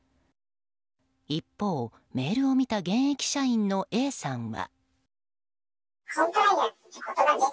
一方、メールを見た現役社員のＡさんは。